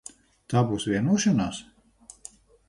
Tā būs vienošanās?